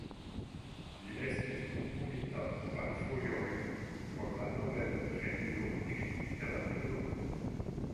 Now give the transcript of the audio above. Li estis nomumita kvar fojojn por la Nobel-premio pri literaturo.